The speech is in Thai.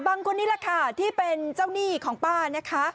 คนนี้แหละค่ะที่เป็นเจ้าหนี้ของป้านะคะ